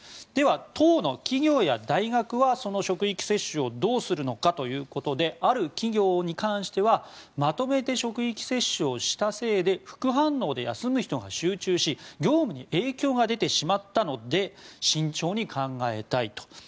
では、当の企業や大学はその職域接種をどうするのかということである企業に関してはまとめて職域接種をしたせいで副反応で休む人が集中し業務に影響が出てしまったので慎重に考えたいと。